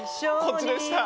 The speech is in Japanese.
こっちでした。